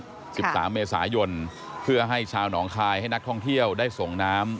บิริซาสบีสัน๑๓เมษายนเพื่อให้ชาวน้องคายให้นักท่องเที่ยวได้ส่งน้ำ